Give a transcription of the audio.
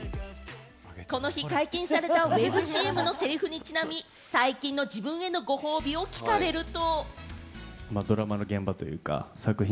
この日解禁されたＷｅｂＣＭのセリフにちなみ、最近の自分へのご褒美を聞かれると。